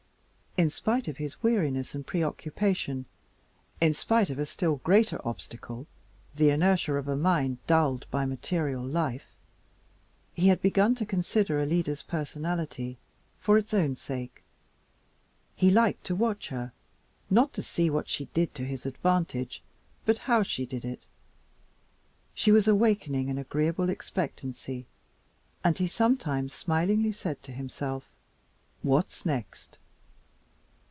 In spite of his weariness and preoccupation, in spite of a still greater obstacle the inertia of a mind dulled by material life he had begun to consider Alida's personality for its own sake. He liked to watch her, not to see what she did to his advantage, but how she did it. She was awakening an agreeable expectancy, and he sometimes smilingly said to himself, "What's next?"